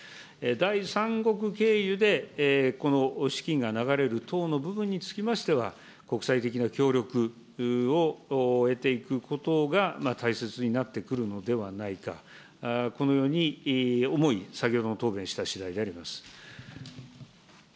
第三国経由でこの資金が流れる等の部分につきましては、国際的な協力を得ていくことが大切になってくるのではないか、このように思い、先ほどの答弁をしたしだいであります。